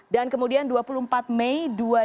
dan kemudian dua puluh empat mei dua ribu sembilan belas